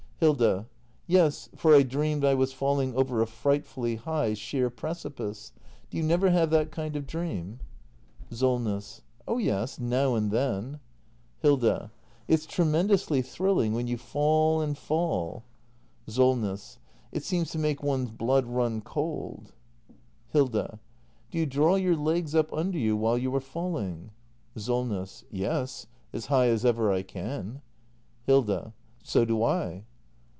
Hilda. Yes, for I dreamed I was falling over a frightfully high, sheer precipice. Do you never have that kind of dream ? Solness. Oh yes — now and then Hilda. It's tremendously thrilling— when you fall and fall Solness. It seems to make one's blood run cold. 332 THE MASTER BUILDER [act ii Hilda. Do you draw your legs up under you while you are falling ? Solness. Yes, as high as ever I can. Hilda. So do I.